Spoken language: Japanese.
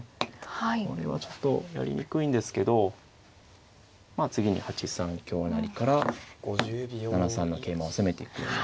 これはちょっとやりにくいんですけどまあ次に８三香成から７三の桂馬を攻めていくような。